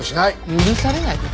許されない事よ。